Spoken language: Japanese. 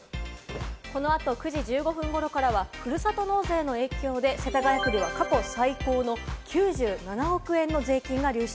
この後、９時１５分ごろからはふるさと納税の影響で、世田谷区では過去最高の９７億円の税金が流出。